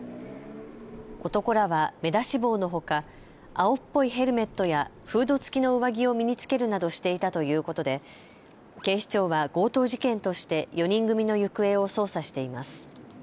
男らは目出し帽のほか、青っぽいヘルメットやフード付きの上着を身に着けるなどしていたということで警視庁は強盗事件として４人組の行方を捜査しています。